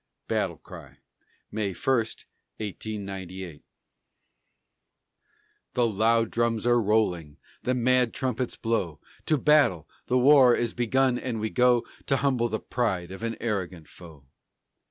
BATTLE CRY [May 1, 1898] The loud drums are rolling, the mad trumpets blow! To battle! the war is begun and we go To humble the pride of an arrogant foe!